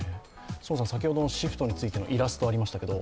先ほどのシフトについてのイラストありましたけど